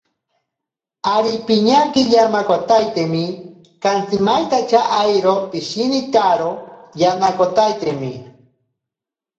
Ari piñaki yanakotaitemi, kantsimaintacha airo pishinitaro yanakotaitemi.